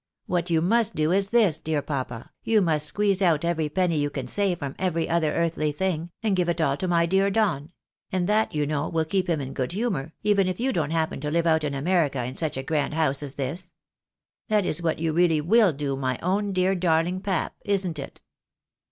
What you must do is this, dear papa, you must squeeze out every penny you can save from every other earthly thing, and give it all to my dear Don ; and that, you know, will keep him in good humour, even if you don't happen to live out in America in such a grand house as this. That is what you really will do, my own dear darling pap, isn't it